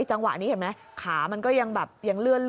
จังหวะนี้เห็นไหมขามันก็ยังแบบยังเลื่อน